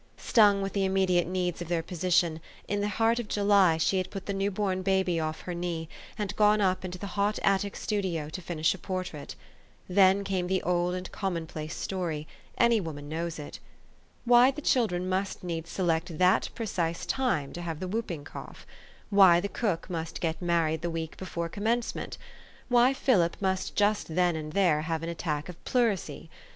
Stung with the immediate needs of their position, in the heart of July she had put the new born baby off her knee, and gone up into the hot attic studio to finish a portrait. Then came the old and common place story : any woman knows it. Why the chil dren must needs select that precise time to have the whooping cough? why the cook must get married the week before Commencement? why Philip must just then and there have an attack of pleurisy